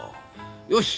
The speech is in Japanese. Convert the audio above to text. よし！